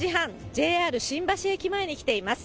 ＪＲ新橋駅前に来ています。